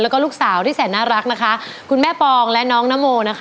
แล้วก็ลูกสาวที่แสนน่ารักนะคะคุณแม่ปองและน้องนโมนะคะ